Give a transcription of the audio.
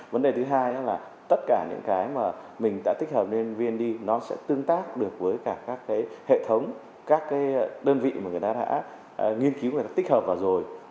vấn đề thứ hai là tất cả những cái mà mình đã tích hợp lên vnd nó sẽ tương tác được với cả các hệ thống các cái đơn vị mà người ta đã nghiên cứu người ta tích hợp vào rồi